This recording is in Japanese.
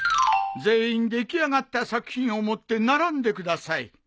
全員出来上がった作品を持って並んでください。